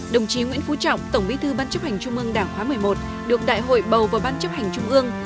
đồng chí nguyễn phú trọng tổng bí thư ban chấp hành trung ương đảng khóa một mươi một được đại hội bầu vào ban chấp hành trung ương